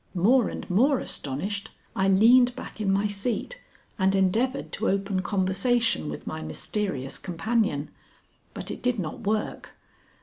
More and more astonished I leaned back in my seat and endeavored to open conversation with my mysterious companion. But it did not work.